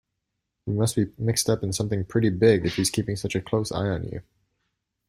You must be mixed up in something pretty big if he's keeping such a close eye on you.